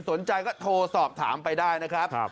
สนใจก็โทรสอบถามไปได้นะครับ